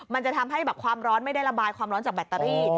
มันจะทำให้แบบความร้อนไม่ได้ระบายความร้อนจากแบตเตอรี่